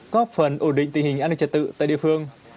góp phần ổn định tình hình an ninh trật tự tại địa phương